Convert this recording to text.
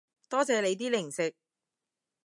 多謝你啲零食